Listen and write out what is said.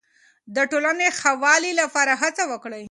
د ټولنې د ښه والي لپاره هڅه وکړئ.